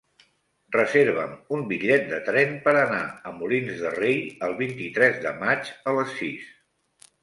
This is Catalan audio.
Reserva'm un bitllet de tren per anar a Molins de Rei el vint-i-tres de maig a les sis.